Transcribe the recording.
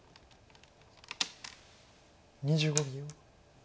２５秒。